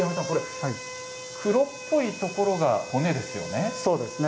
黒っぽいところが骨ですよね。